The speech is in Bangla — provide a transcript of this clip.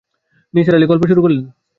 নিসার আলি গল্প শুরু করলেন।